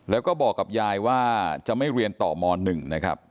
แล้วก็บอกกับยายว่าจะไม่เรียนต่อม๑นะครับ